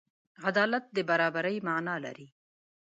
عدالت د برابري معنی لري.